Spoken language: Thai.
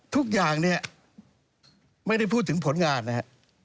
ทุกอย่างเนี่ยไม่ได้พูดถึงผลงานนะฮะ